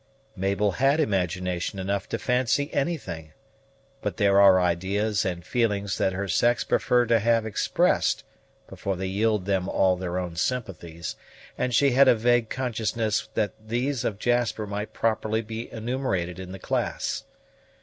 Mabel had imagination enough to fancy anything, but there are ideas and feelings that her sex prefer to have expressed before they yield them all their own sympathies, and she had a vague consciousness that these of Jasper might properly be enumerated in the class.